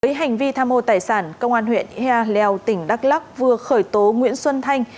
với hành vi tham hồ tài sản công an huyện he leo tỉnh đắk lắk vừa khởi tố nguyễn xuân thanh